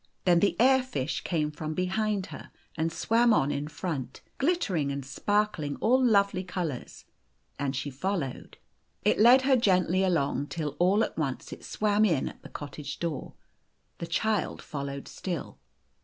Then the air fish came from behind her, and o swam on in front, glittering and sparkling all lovely colours ; and she followed. It led her gently along till all at once it swam in at a cottage door. The child followed still.